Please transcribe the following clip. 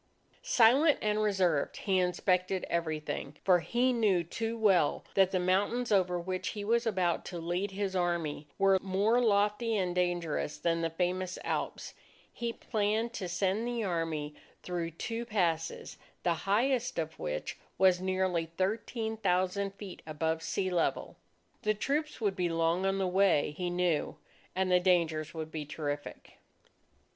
Silent and reserved, he inspected everything. For he knew too well that the mountains over which he was about to lead his Army, were more lofty and dangerous than the famous Alps. He planned to send the Army through two passes, the highest of which was nearly 13,000 feet above sea level. The troops would be long on the way, he knew, and the dangers would be terrific.